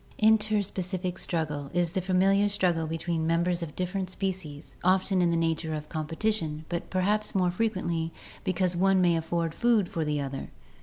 Interspecific struggle is the familiar struggle between members of different species, often in the nature of competition, but perhaps more frequently because the one may afford food for the other.